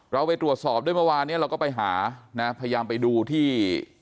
เราไปตรวจสอบด้วยเมื่อวานนี้เราก็ไปหานะพยายามไปดูที่